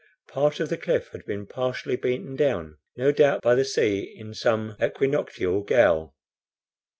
Part of the cliff had been partially beaten down, no doubt, by the sea in some equinoctial gale.